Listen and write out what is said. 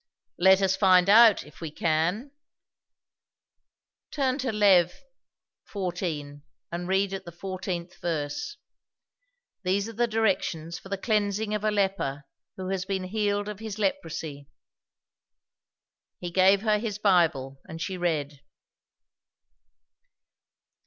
"Let us find out, if we can. Turn to Lev. xiv. and read at the 14th verse. These are the directions for the cleansing of a leper who has been healed of his leprosy." He gave her his Bible, and she read.